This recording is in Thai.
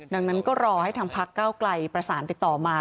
ดังนั้นก็รอให้ทางพักเก้าไกลประสานติดต่อมา